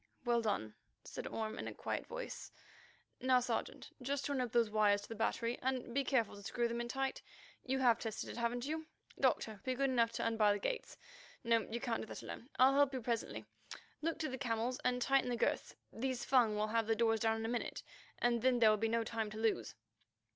"Well done," said Orme in a quiet voice. "Now, Sergeant, just join up those wires to the battery, and be careful to screw them in tight. You have tested it, haven't you? Doctor, be good enough to unbar the gates. No, you can't do that alone; I'll help you presently. Look to the camels and tighten the girths. These Fung will have the doors down in a minute, and then there will be no time to lose."